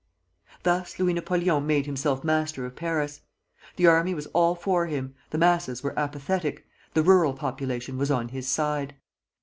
Thus Louis Napoleon made himself master of Paris. The army was all for him, the masses were apathetic, the rural population was on his side.